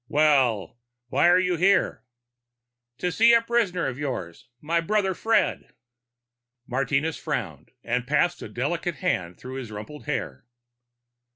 "Well, why are you here?" "To see a prisoner of yours. My brother, Fred." Martinez frowned and passed a delicate hand through his rumpled hair.